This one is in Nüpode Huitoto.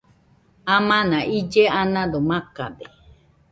Amana ille anado makade